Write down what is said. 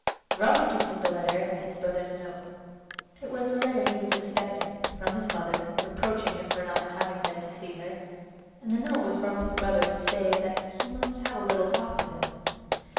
Vronsky took the letter and his brother's note. It was the letter he was expecting—from his mother, reproaching him for not having been to see her—and the note was from his brother to say that he must have a little talk with him.